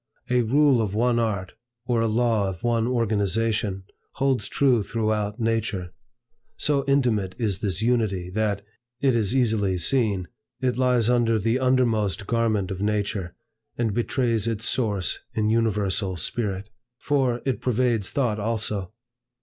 A rule of one art, or a law of one organization, holds true throughout nature. So intimate is this Unity, that, it is easily seen, it lies under the undermost garment of nature, and betrays its source in Universal Spirit. For, it pervades Thought also.